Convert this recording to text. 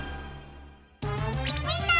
みんな！